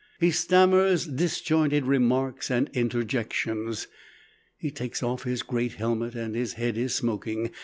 He stammers disjointed remarks and interjections. He takes off his great helmet and his head is smoking.